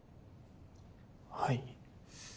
はい。